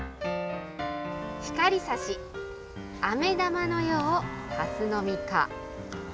光さしあめ玉のようはすの実か。